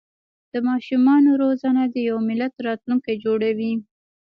د ماشومانو روزنه د یو ملت راتلونکی جوړوي.